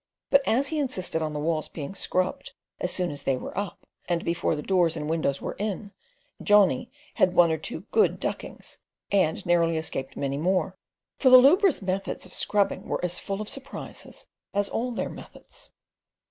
But as he insisted on the walls being scrubbed as soon as they were up, and before the doors and windows were in, Johnny had one or two good duckings, and narrowly escaped many more; for lubras' methods of scrubbing are as full of surprises as all their methods.